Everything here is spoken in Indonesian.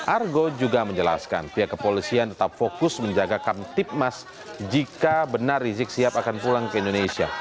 argo juga menjelaskan pihak kepolisian tetap fokus menjaga kamtipmas jika benar rizik sihab akan pulang ke indonesia